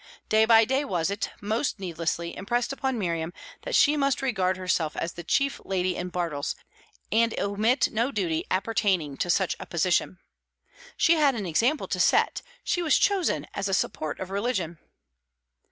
Day by day was it most needlessly impressed upon Miriam that she must regard herself as the chief lady in Bartles, and omit no duty appertaining to such a position. She had an example to set; she was chosen as a support of religion.